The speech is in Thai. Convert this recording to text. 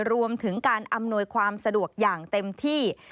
รวมถึงการอำนวยความสะดวกอย่างเต็มที่